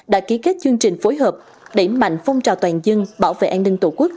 đã ký kết chương trình phối hợp đẩy mạnh phong trào toàn dân bảo vệ an ninh tổ quốc